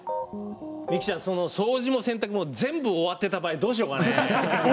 みきちゃん、掃除も洗濯も全部終わってた場合どうしようかね？